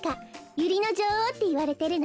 ユリのじょおうっていわれてるのよ。